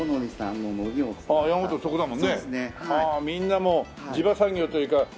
みんなもう地場産業というか。